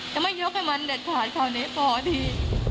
จะไม่ยกให้มันนึกภัสเข้านี้พอดี